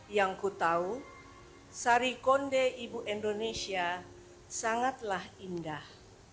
yang ku tahu sarikonde ibu indonesia sangatlah indah